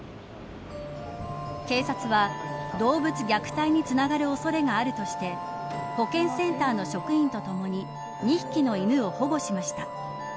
警察は、動物虐待につながる恐れがあるとして保健センターの職員とともに２匹の犬を保護しました。